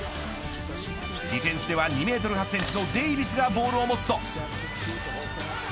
ディフェンスでは２メートル８センチのデイビスがボールを持つと。